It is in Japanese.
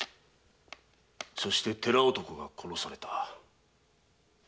そして寺男が殺された。